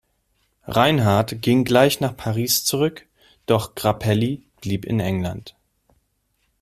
Reinhardt ging gleich nach Paris zurück, doch Grappelli blieb in England.